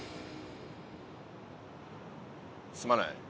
すまない。